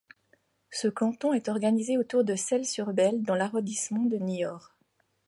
Ce canton est organisé autour de Celles-sur-Belle dans l'arrondissement de Niort.